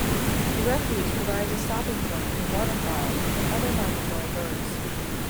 The refuge provides a stopping point for waterfowl and other migratory birds.